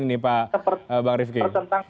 ini pak bang rifki